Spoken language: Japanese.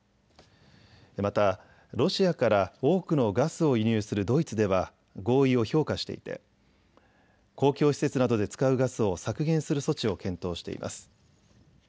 またロシアから多くのガスを輸入するドイツでは合意を評価していて、公共施設などで使うガスを削減する措置を検討しています。